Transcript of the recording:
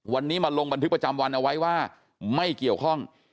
วันนี้มาลงบันทึกประจำวันเอาไว้ว่าไม่เกี่ยวข้อง